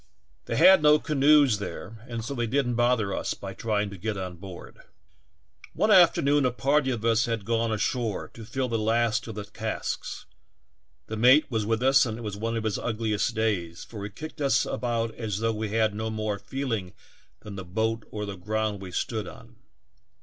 They had no canoes there and so they didn't bother us by trying to get on board. "One afternoon a party of us had gone ashore to fill the last of the casks ; the mate was with us and it was one of his ugliest days, for he kicked us about as though we had no more feeling than the boat or the ground we stood on.